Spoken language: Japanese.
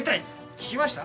聞きました？